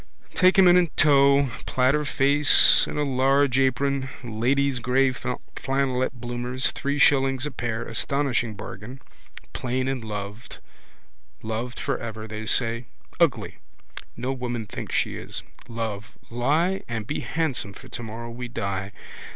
Take him in tow, platter face and a large apron. Ladies' grey flannelette bloomers, three shillings a pair, astonishing bargain. Plain and loved, loved for ever, they say. Ugly: no woman thinks she is. Love, lie and be handsome for tomorrow we die.